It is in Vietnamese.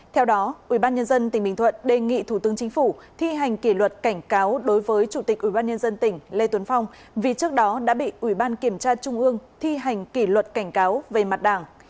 theo đó ủy ban nhân dân tỉnh bình thuận đề nghị thủ tướng chính phủ thi hành kỷ luật cảnh cáo đối với chủ tịch ủy ban nhân dân tỉnh lê tuấn phong vì trước đó đã bị ủy ban kiểm tra trung ương thi hành kỷ luật cảnh cáo về mặt đảng